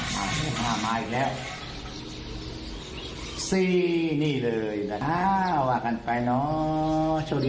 มาอีกแล้ว๔นี่เลย๕เอากันไปเนาะ